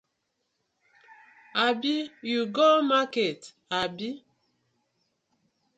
Abi you go market abi?